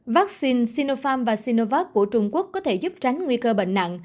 vaccine sinofarm và sinovac của trung quốc có thể giúp tránh nguy cơ bệnh nặng